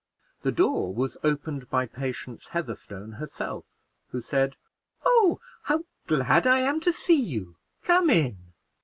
The door was opened by Patience Heatherstone herself, who said, "Oh, how glad I am to see you! Come in."